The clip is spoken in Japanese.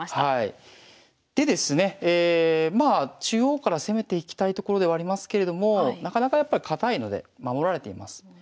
中央から攻めていきたいところではありますけれどもなかなかやっぱ堅いので守られています。